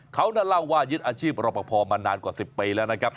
เขานั่นเล่าว่ายึดอาชีพรอปภมานานกว่า๑๐ปีแล้วนะครับ